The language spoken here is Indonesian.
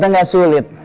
ternyata gak sulit